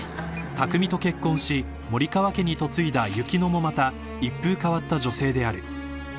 ［拓未と結婚し森川家に嫁いだ雪乃もまた一風変わった女性である］